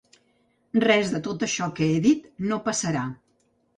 Res de tot això que he dit no passarà.